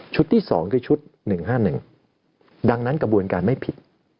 ที่๒คือชุด๑๕๑ดังนั้นกระบวนการไม่ผิด